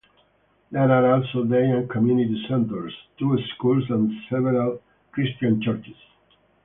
There are also day and community centres, two schools, and several Christian churches.